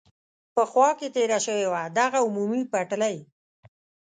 په خوا کې تېره شوې وه، دغه عمومي پټلۍ.